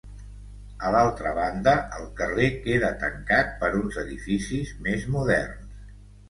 A l'altra banda, el carrer queda tancat per uns edificis més moderns.